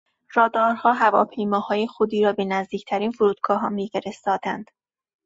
رادارها هواپیماهای خودی را به نزدیکترین فرودگاهها میفرستادند.